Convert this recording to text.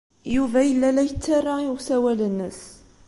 Yuba yella la yettara i usawal-nnes.